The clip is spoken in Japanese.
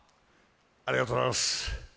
ありがとうございます！